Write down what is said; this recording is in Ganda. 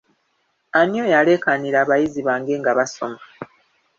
Ani oyo aleekaanira abayizi bange nga basoma?